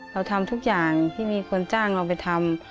เราทำทุกอย่างที่มีคนจ้างเราไปทำ